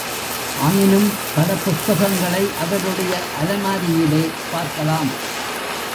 ஆயினும், பல புஸ்தகங்களை அவருடைய அலமாரியிலே பார்க்கலாம்.